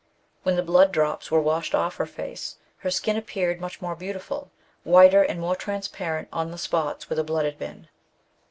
When the blood drops were washed off her face, her skin appeared much more beautiful — whiter and more transparent on the spots where the blood had been.